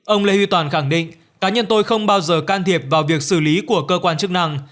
ông lê huy toàn khẳng định cá nhân tôi không bao giờ can thiệp vào việc xử lý của cơ quan chức năng